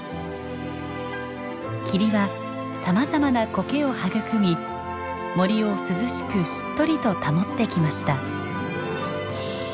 霧はさまざまなコケを育み森を涼しくしっとりと保ってきました。